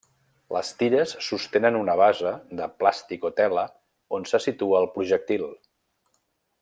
Les tires sostenen una base de plàstic o tela on se situa el projectil.